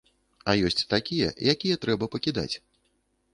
А ёсць такія, якія трэба пакідаць.